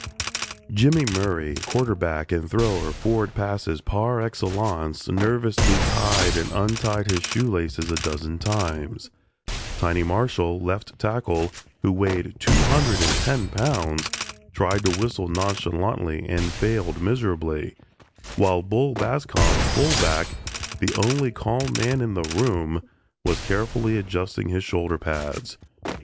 Jimmy Murray, quarterback and thrower of forward passes par excellence, nervously tied and untied his shoe laces a dozen times; "Tiny" Marshall, left tackle, who weighed two hundred and ten pounds, tried to whistle nonchalantly and failed miserably, while "Bull" Bascom, fullback, the only calm man in the room, was carefully adjusting his shoulder pads.